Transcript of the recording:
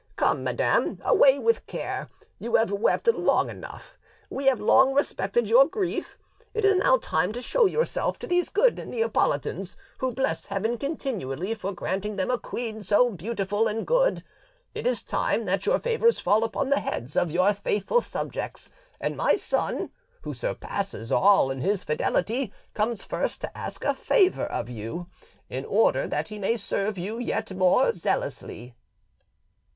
Come, madam, away with care: you have wept long enough; we have long respected your grief. It is now time to show yourself to these good Neapolitans who bless Heaven continually for granting them a queen so beautiful and good; it is time that your favours fall upon the heads of your faithful subjects, and my son, who surpasses all in his fidelity, comes first to ask a favour of you, in order that he may serve you yet more zealously."